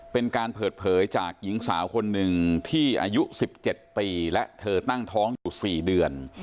เป็นการเปิดเผยจากหญิงสาวคนหนึ่งที่อายุ๑๗ปีและเธอตั้งท้องอยู่๔เดือน